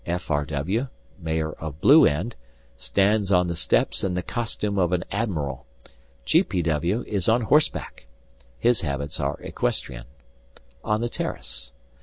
F. R. W., mayor of Blue End, stands on the steps in the costume of an admiral; G. P. W. is on horseback (his habits are equestrian) on the terrace.